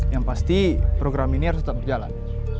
yang pasti program ini harus tetap berjalan